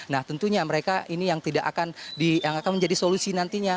nah tentunya mereka ini yang akan menjadi solusi nantinya